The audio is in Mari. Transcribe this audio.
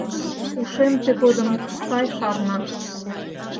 Ушем тыгодым сай шарна